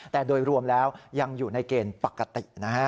แต่โดยรวมแล้วยังอยู่ในเกณฑ์ปกตินะฮะ